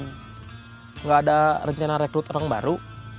tidak ada rencana rekrut orang baru